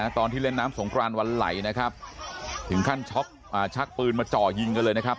ตอนที่เล่นน้ำสงครานวันไหลนะครับถึงขั้นชักปืนมาจ่อยิงกันเลยนะครับ